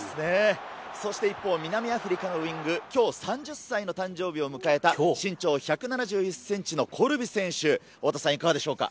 そして一方、南アフリカのウイング、きょう３０歳の誕生日を迎えた身長１７１ｃｍのコルビ選手、大畑さん、いかがですか？